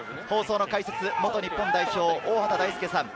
解説は元日本代表・大畑大介さん。